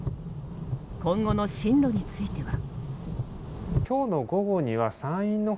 今後の進路については。